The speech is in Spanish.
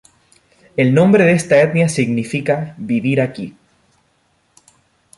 El nombre de esta etnia significa "vivir aquí".